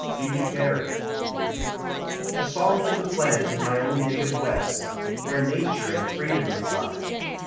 — PHCEBE CARY. A song for the plant of ray own Dative West, Where nature and freedom reside.